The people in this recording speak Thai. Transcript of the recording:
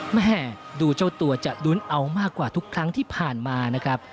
แม่ดูเจ้าตัวจะลุ้นเอามากกว่าทุกครั้งที่ผ่านมานะครับ